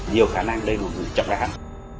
nhiều khả năng để một người chọn ra hắn